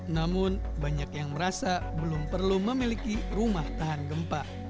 namun banyak yang merasa belum perlu memiliki rumah tahan gempa